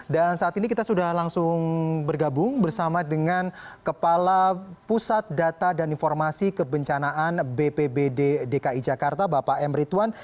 dan saat ini kita sudah langsung bergabung bersama dengan kepala pusat data dan informasi kebencanaan bpbd dki jakarta bapak emri tuan